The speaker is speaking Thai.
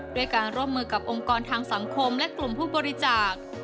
ด้วยการร่วมมือกับองค์กรทางสังคมและกลุ่มผู้บริจาค